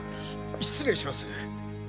失礼します。